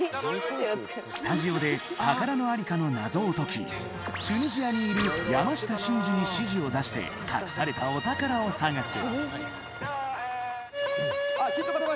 スタジオで宝のありかの謎を解きチュニジアにいる山下真司に指示を出して隠されたお宝を探す。